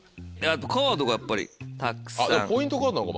カードがやっぱりたくさん。